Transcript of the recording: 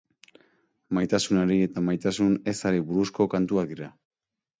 Maitasunari eta maitasun ezari buruzko kantuak dira.